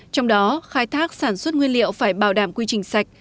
trong đó khai thác sản xuất nguyên liệu phải bảo đảm quy trình sạch